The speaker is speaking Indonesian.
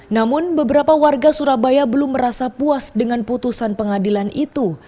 namun beberapa warga surabaya belum merasa puas dengan putusan pengadilan itu